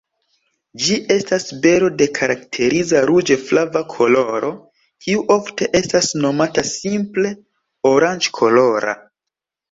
Ĝi estas bero de karakteriza ruĝe-flava koloro, kiu ofte estas nomata simple oranĝkolora.